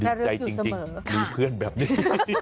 ดีใจจริงหรือเพื่อนแบบนี้